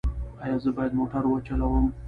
ایا زه باید موټر وچلوم؟